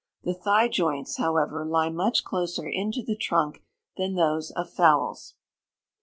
The thigh joints, however, lie much closer into the trunk than those of fowls.